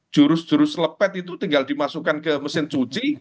jurus jurus lepet itu tinggal dimasukkan ke mesin cuci